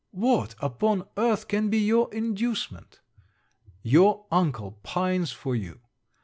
What, upon earth, can be your inducement? Your uncle pines for you.